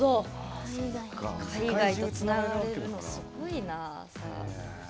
海外とつながれるのすごいな。